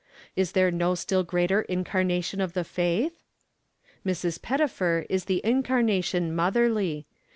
Is there no still greater incarnation of the faith? Mrs. Pettifer is the Incarnation Motherly. Mr.